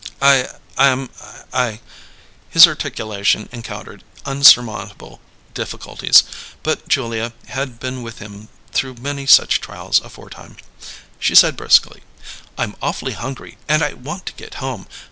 "I I'm I " His articulation encountered unsurmountable difficulties, but Julia had been with him through many such trials aforetime. She said briskly, "I'm awfully hungry and I want to get home.